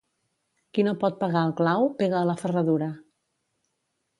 Qui no pot pegar al clau, pega a la ferradura.